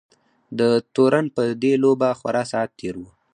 د تورن په دې لوبه خورا ساعت تېر وو.